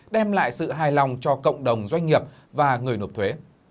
đem lại sự hài lòng cho cộng đồng doanh nghiệp và người nộp thuế